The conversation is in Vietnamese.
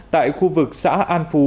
tại khu vực xã an phú